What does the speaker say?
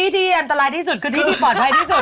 ที่อันตรายที่สุดคือที่ที่ปลอดภัยที่สุด